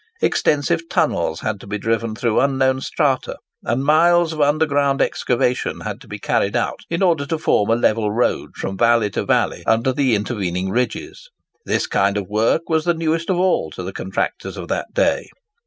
Extensive tunnels had to be driven through unknown strata, and miles of underground excavation had to be carried out in order to form a level road from valley to valley, under the intervening ridges. This kind of work was the newest of all to the contractors of that day.